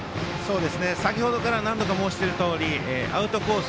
先程から何度か申していますがアウトコース